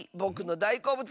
だいこうぶつ？